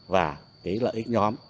và cái lợi ích nhóm